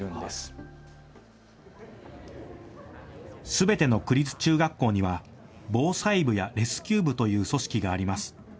すべての区立中学校には防災部やレスキュー部という組織があります。